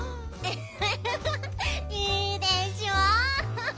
フフフフいいでしょ？